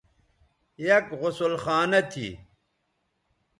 یک غسل خانہ تھی